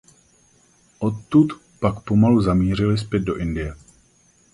Odtud pak pomalu zamířili zpět do Indie.